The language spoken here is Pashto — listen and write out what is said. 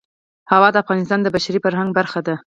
هوا د افغانستان د بشري فرهنګ برخه ده.